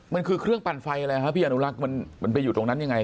มันคือเครื่องปั่นไฟอะไรครับพี่อนุรักษ์มันไปอยู่ตรงนั้นยังไง